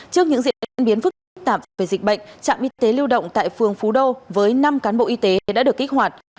trước những diễn biến phức tạp về dịch bệnh trạm y tế lưu động tại phường phú đô với năm cán bộ y tế đã được kích hoạt